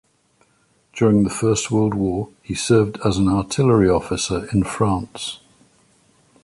During the First World War, he served as an artillery officer in France.